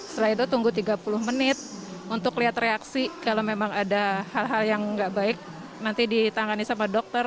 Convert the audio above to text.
setelah itu tunggu tiga puluh menit untuk lihat reaksi kalau memang ada hal hal yang nggak baik nanti ditangani sama dokter